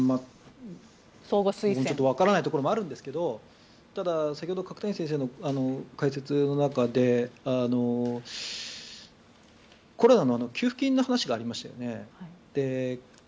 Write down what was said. ちょっとわからないところもあるんですがただ、先ほど角谷先生の解説の中でコロナの給付金の話がありましたよね。